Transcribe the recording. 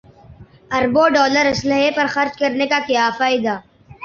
اربوں ڈالر اسلحے پر خرچ کرنے کا کیا فائدہ